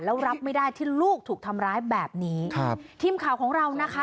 แล้วรับไม่ได้ที่ลูกถูกทำร้ายแบบนี้ครับทีมข่าวของเรานะคะ